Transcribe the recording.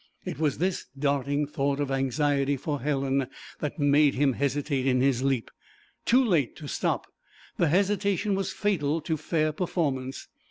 It was this darting thought of anxiety for Helen that made him hesitate in his leap. Too late to stop, the hesitation was fatal to fair performance.